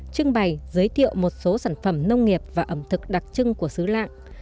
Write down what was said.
trưng bày giới thiệu một số sản phẩm nông nghiệp và ẩm thực đặc trưng của xứ lạng